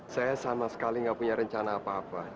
saya sama sekali nggak punya rencana apa apa